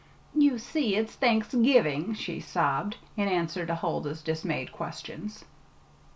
"You see, it's Thanksgiving!" she sobbed, in answer to Huldah's dismayed questions.